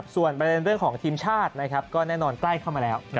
ส่วนประเด็นเรื่องของทีมชาติก็แน่นอนใกล้เข้ามาแล้ว